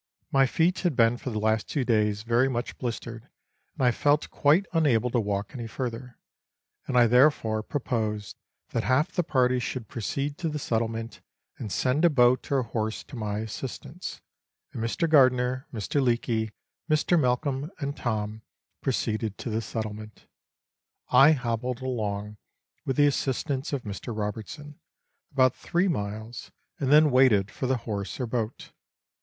My feet had been for the last two clays very much blistered, and I felt quite unable to walk any further ; and I therefore proposed that half the party should proceed to the settlement, and send a boat or a horse to my assistance ; and Mr. Gardiner, Mr. Leake, Mr. Malcolm, and Tom proceeded to the settlement. I hobbled along, with the assistance of Mr. Robertson, about three miles, and then waited for the horse or boat.